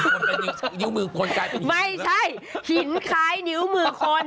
นิ้วมือคนกลายเป็นหินหรือเปล่าไม่ใช่หินคล้ายนิ้วมือคน